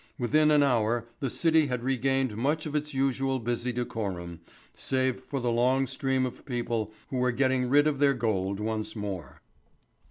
Within an hour the City had regained much of its usual busy decorum, save for the long stream of people who were getting rid of their gold once more.